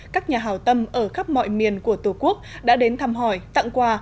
các nhà hào tâm ở khắp mọi miền của tổ quốc đã đến thăm hỏi tặng quà